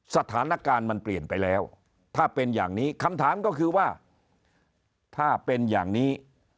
สถานการณ์มันเปลี่ยนไปแล้วถ้าเป็นอย่างนี้คำถามก็คือว่าถ้าเป็นอย่างนี้